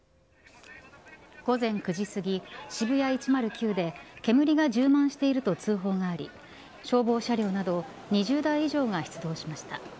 午前９時すぎ渋谷１０９で煙が充満していると通報があり消防車両など２０台以上が出動しました。